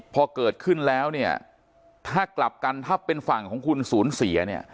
พอเกิดขึ้นแล้วเนี่ยถ้ากลับกันถ้าเป็นฝั่งของคุณศูนย์เสียเนี่ย